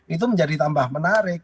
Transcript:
itu menjadi tambah menarik